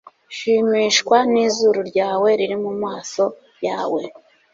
shimishwa nizuru ryawe riri mumaso yawe